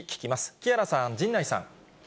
木原さん、陣内さん。